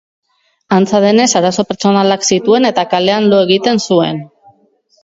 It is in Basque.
Antza denez, arazo pertsonalak zituen eta kalean lo egiten zuen.